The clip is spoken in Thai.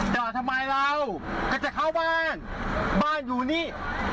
จอดทำไมเราก็จะเข้าบ้านบ้านอยู่นี่